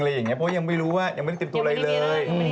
เพราะยังไม่รู้ว่ายังไม่ได้เตรียมตัวอะไรเลย